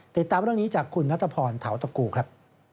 ติดตามเรื่องนี้จากคุณนัทพรเทาตะกูครับ